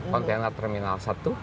kontainer terminal satu